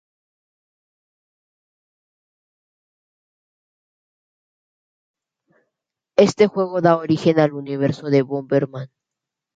Este juego da origen al universo de Bomberman.